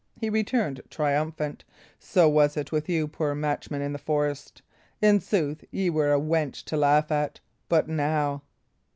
he returned, triumphant. "So was it with you, poor Matcham, in the forest. In sooth, ye were a wench to laugh at. But now!"